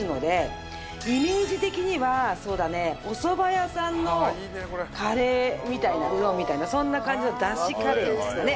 イメージ的にはそうだねおそば屋さんのカレーみたいなうどんみたいなそんな感じのダシカレーみたいなね